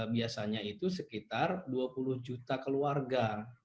biasanya itu sekitar dua puluh juta keluarga